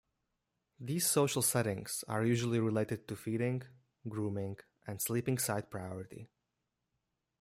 These social settings are usually related to feeding, grooming, and sleeping site priority.